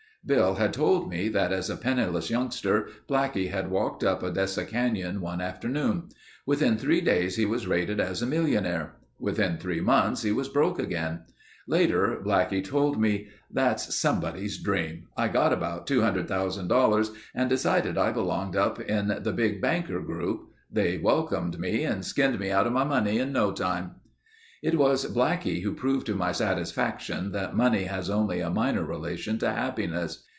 Bill had told me that as a penniless youngster Blackie had walked up Odessa Canyon one afternoon. Within three days he was rated as a millionaire. Within three months he was broke again. Later Blackie told me, "That's somebody's dream. I got about $200,000 and decided I belonged up in the Big Banker group. They welcomed me and skinned me out of my money in no time." It was Blackie who proved to my satisfaction that money has only a minor relation to happiness.